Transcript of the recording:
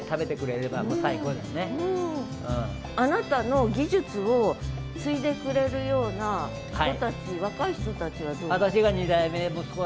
あなたの技術を継いでくれるような人たち若い人たちはどう？